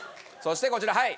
そしてこちら。